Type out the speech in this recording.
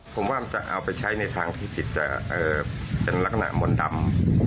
ผมว่าจะเอาไปใช้ในทางที่ผิดจะเป็นลักษณะมนต์ดำ